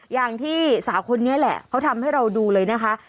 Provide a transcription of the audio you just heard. อย่างที่สาวคนนี้แหละเขาทำให้เราดูเลยนะคะ